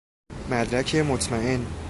مدرک مطمئن